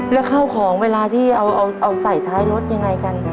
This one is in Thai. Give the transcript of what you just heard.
แล้วข้าวของเวลาที่เอาใส่ท้ายรถยังไงกัน